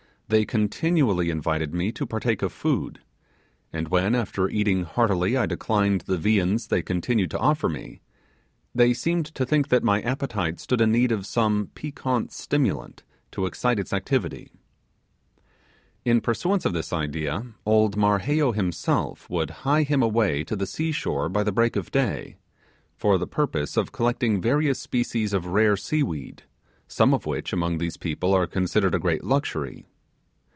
They continually invited me to partake of food, and when after eating heartily I declined the viands they continued to offer me, they seemed to think that my appetite stood in need of some piquant stimulant to excite its activity. In pursuance of this idea, old Marheyo himself would hie him away to the sea shore by the break of day, for the purpose of collecting various species of rare sea weed; some of which among these people are considered a great luxury.